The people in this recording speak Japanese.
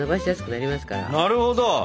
なるほど。